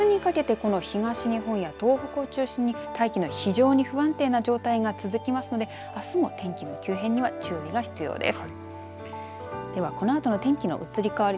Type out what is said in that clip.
あすにかけて東日本や東北を中心に大気の非常に不安定な状態が続きますのであすも天気の急変には注意が必要です。